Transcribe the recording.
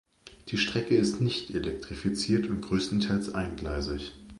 Die Strecke ist nicht elektrifiziert und größtenteils eingleisig.